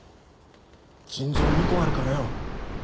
腎臓２個あるからよ